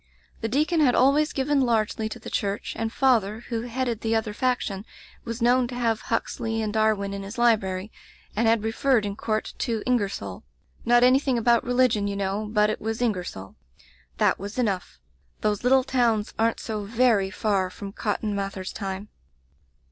The deacon had always given largely to the church, and father, who headed the other faction, was known to have Huxley and Dar win in his library, and had referred in court to IngersoU — ^not anything about religion, you know, but it was IngersoU. That was enough. Those little towns aren't so very far from Cotton Mather's time.